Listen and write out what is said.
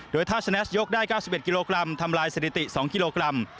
โดยถ้าชนะยกได้๙๑กิโลกรัมทำลายสถิติ๒กิโลกรัม